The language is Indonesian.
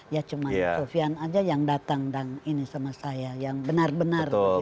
ya cuma sofian aja yang datang dan ini sama saya yang benar benar